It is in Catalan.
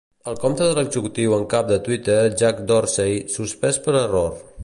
El compte de l'executiu en cap de Twitter, Jack Dorsey, suspès per error.